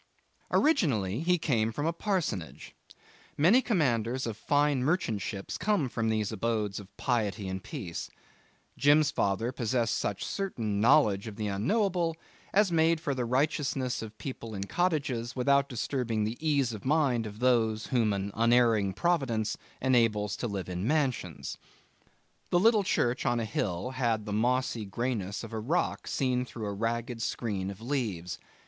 Originally he came from a parsonage. Many commanders of fine merchant ships come from these abodes of piety and peace. Jim's father possessed such certain knowledge of the Unknowable as made for the righteousness of people in cottages without disturbing the ease of mind of those whom an unerring Providence enables to live in mansions. The little church on a hill had the mossy greyness of a rock seen through a ragged screen of leaves.